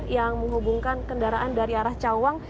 yang menghubungkan kendaraan dari arah cawang